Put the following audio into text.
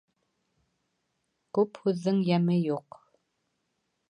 Күп һүҙҙең йәме юҡ.